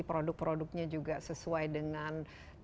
produk produknya juga sesuai dengan